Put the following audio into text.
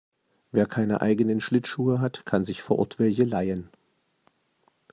Wer keine eigenen Schlittschuhe hat, kann sich vor Ort welche leihen.